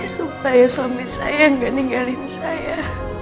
supaya suami saya tidak meninggalkan saya